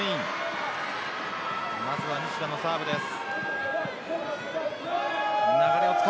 まずは西田のサーブです。